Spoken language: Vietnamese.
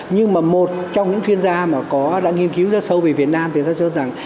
nhưng mà một trong những chuyên gia mà có đã nghiên cứu rất sâu về việt nam thì tôi cho rằng